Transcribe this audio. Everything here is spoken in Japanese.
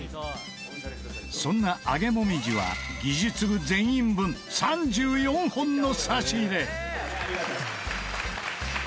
そんな揚げもみじは技術部全員分３４本の差し入れ